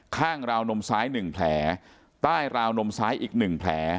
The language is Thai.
ข้างราวนมซ้ายหนึ่งแผลใต้ราวนมซ้ายอีกหนึ่งแผล